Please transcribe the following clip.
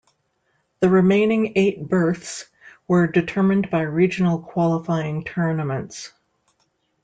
The remaining eight berths were determined by regional qualifying tournaments.